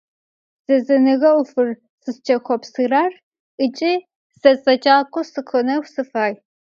ЗэдзэкӀэныгъэ Ӏофыр сызчӀэхъопсырэр зэдзэкӀакӀо сыхъунеу сыфай